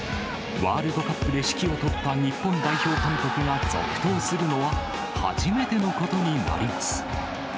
ワールドカップで指揮を執った日本代表監督が続投するのは初めてのことになります。